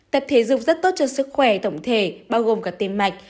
tập thể dục rất tốt cho sức khỏe tổng thể bao gồm cả tim mạch